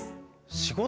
仕事？